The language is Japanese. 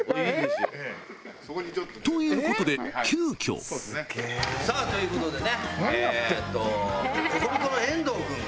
［ということで急きょ］さあということでね。